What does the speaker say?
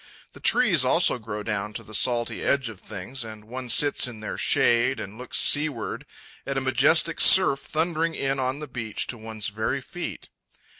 The trees also grow down to the salty edge of things, and one sits in their shade and looks seaward at a majestic surf thundering in on the beach to one's very feet.